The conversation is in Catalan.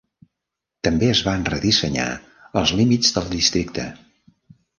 També es van redissenyar els límits del districte.